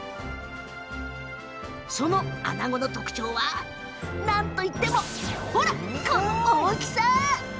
そのあなごの特徴はなんといっても大きさ！